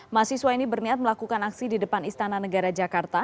mahasiswa ini berniat melakukan aksi di depan istana negara jakarta